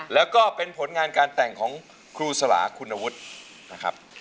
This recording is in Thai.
แล้วก็เป็นผลงานการแต่งของครูสลาคุณวุฒินะครับ